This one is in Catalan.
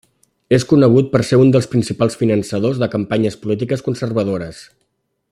És conegut per ser un dels principals finançadors de campanyes polítiques conservadores.